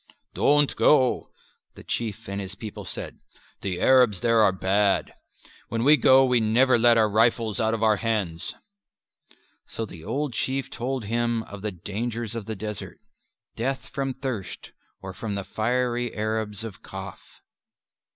"Don't go," the Chief and his people said, "the Arabs there are bad: when we go we never let our rifles out of our hands." So the old Chief told him of the dangers of the desert; death from thirst or from the fiery Arabs of Kaf.